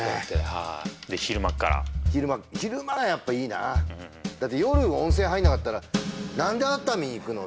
はいで昼間っから昼間がやっぱいいなあだって夜温泉入んなかったら何で熱海行くの？